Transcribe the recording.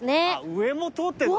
上も通ってんの。